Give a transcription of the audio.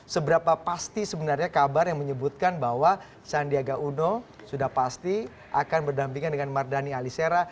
seberapa pasti sebenarnya kabar yang menyebutkan bahwa sandiaga uno sudah pasti akan berdampingan dengan mardhani alisera